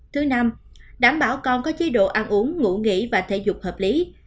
thứ năm đảm bảo con có chế độ ăn uống ngủ nghỉ và thể dục hợp lý